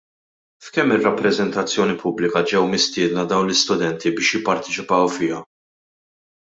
F'kemm-il rappreżentazzjoni pubblika ġew mistiedna dawn l-istudenti biex jippartecipaw fiha?